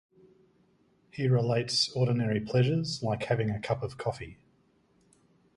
He relates ordinary pleasures, like having a cup of coffee.